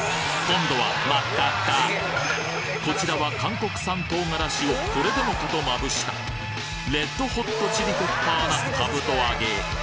今度はこちらは韓国産唐辛子をこれでもかとまぶしたレッドホットチリペッパーなかぶと揚げ